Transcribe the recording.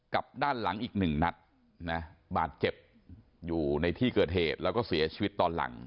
ด้านหลังอีกหนึ่งนัดนะบาดเจ็บอยู่ในที่เกิดเหตุแล้วก็เสียชีวิตตอนหลัง